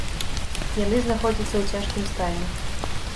Яны знаходзяцца ў цяжкім стане.